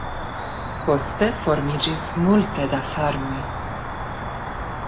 Poste formiĝis multe da farmoj.